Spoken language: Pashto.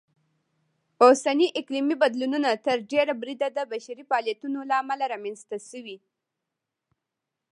اوسني اقلیمي بدلونونه تر ډېره بریده د بشري فعالیتونو لهامله رامنځته شوي.